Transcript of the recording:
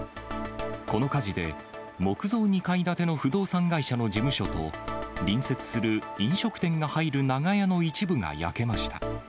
この火事で、木造２階建ての不動産会社の事務所と、隣接する飲食店が入る長屋の一部が焼けました。